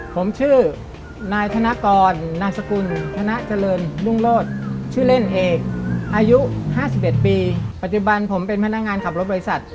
ผมชื่อนายธนกรนามสกุลธนเจริญรุ่งโลศชื่อเล่นเอกอายุ๕๑ปีปัจจุบันผมเป็นพนักงานขับรถบริษัท